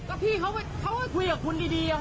ก็พี่เขาก็คุยกับคุณดี